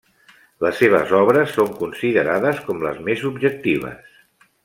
Les seves obres són considerades com les més objectives.